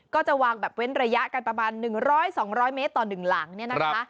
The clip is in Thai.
ก็จะวางแบบเว้นระยะกันประมาณหนึ่งร้อยสองร้อยเมตรต่อหนึ่งหลังเนี่ยนะคะ